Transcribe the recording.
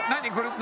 何？